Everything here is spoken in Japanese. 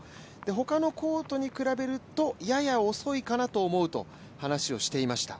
他のコートに比べるとやや遅いかなと思うと話をしていました。